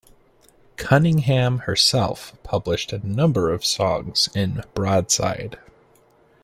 Cunningham herself published a number of songs in "Broadside".